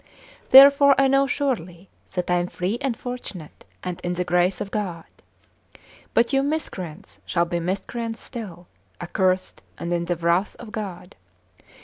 Therefore I know surely that I am free and fortunate and in the grace of God; but you miscreants shall be miscreants still, accursed, and in the wrath of God.